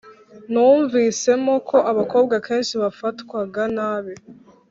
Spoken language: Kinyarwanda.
numvisemo ko abakobwa kenshi bafatwaga nabi